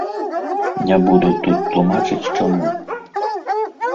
Не буду тут тлумачыць, чаму.